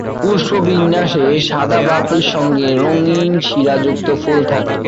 পুষ্পবিন্যাসে সাদা পাপড়ির সঙ্গে রঙিন শিরাযুক্ত ফুল থাকে।